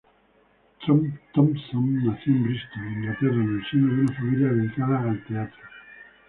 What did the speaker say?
Thompson nació en Bristol, Inglaterra en el seno de una familia dedicada al teatro.